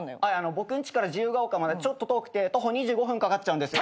僕んちから自由が丘までちょっと遠くて徒歩２５分かかっちゃうんですよ。